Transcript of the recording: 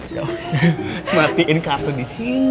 gak usah matiin kartu disini